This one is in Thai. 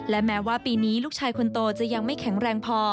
และแม้ว่าปีนี้ลูกชายคนโตจะยังไม่แข็งแรงพอ